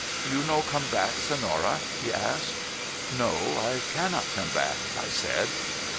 " You no come back Sonora? " he asked. " No; I cannot come back," I said.